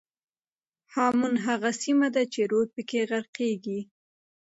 هامون هغه سیمه ده چې رود پکې غرقېږي.